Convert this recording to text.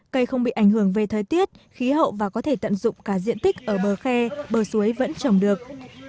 cây không bị ảnh hưởng về thời tiết khí hậu và có thể tận dụng cả diện tích ở bờ khe bờ suối vẫn trồng được